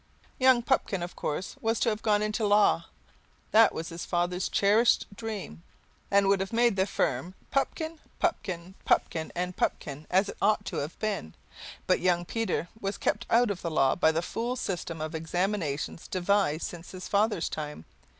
Young Pupkin, of course, was to have gone into law. That was his father's cherished dream and would have made the firm Pupkin, Pupkin, Pupkin, and Pupkin, as it ought to have been. But young Peter was kept out of the law by the fool system of examinations devised since his father's time.